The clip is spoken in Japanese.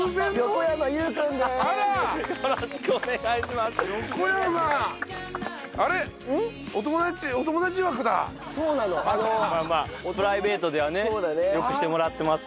まあまあプライベートではね良くしてもらってます。